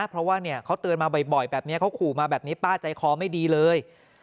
เพราะว่าเขาเตือนมาบ่อยแบบนี้เขาขู่มาแบบนี้ป้าใจคอไม่ดีเลย